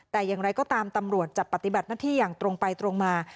แต่อย่างไรก็ตามตำรวจจะปฏิบัติหน้าที่อย่างตรงไปตรงมา